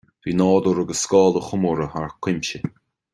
Bhí nádúr agus scála an chomórtha thar cuimse